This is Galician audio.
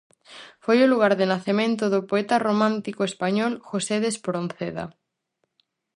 Foi o lugar de nacemento do poeta romántico español José de Espronceda.